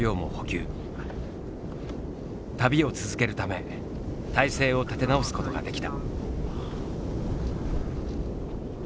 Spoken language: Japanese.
旅を続けるため態勢を立て直すことができた。